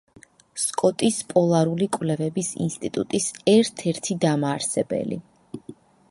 სკოტის პოლარული კვლევების ინსტიტუტის ერთ-ერთი დამაარსებელი.